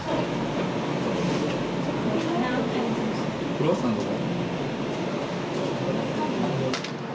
クロワッサンどこ？